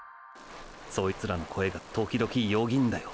そいつらの声が時々よぎんだよ。